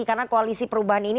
karena koalisi perubahan ini